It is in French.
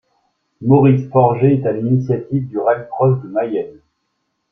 Maurice Forget est à l’initiative du rallycross de Mayenne.